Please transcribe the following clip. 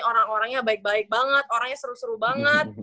orang orangnya baik baik banget orangnya seru seru banget